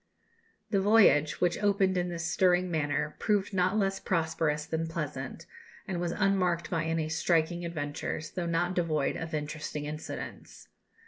The voyage, which opened in this stirring manner, proved not less prosperous than pleasant, and was unmarked by any striking adventures, though not devoid of interesting incidents.